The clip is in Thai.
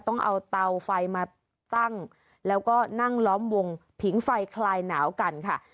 ต้องเอาเตาไฟมาตั้งแล้วก็นั่งล้อมวงผิงไฟคลายหนาวกันค่ะ